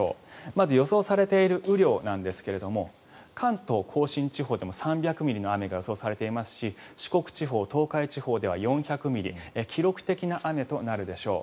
まず予想されている雨量なんですが関東・甲信地方でも３００ミリの雨が予想されていますし四国地方、東海地方では４００ミリ記録的な雨となるでしょう。